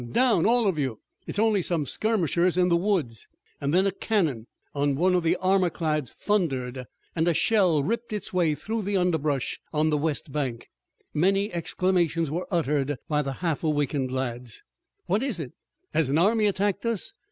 Down, all of you! It's only some skirmishers in the woods!" Then a cannon on one of the armor clads thundered, and a shell ripped its way through the underbrush on the west bank. Many exclamations were uttered by the half awakened lads. "What is it? Has an army attacked us?"